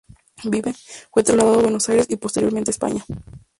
Vives fue trasladado a Buenos Aires y posteriormente a España.